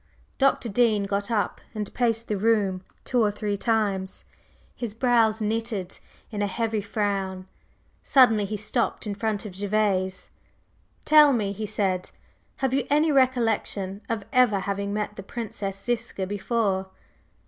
Dr. Dean got up and paced the room two or three times, his brows knitted in a heavy frown. Suddenly he stopped in front of Gervase. "Tell me," he said, "have you any recollection of ever having met the Princess Ziska before?"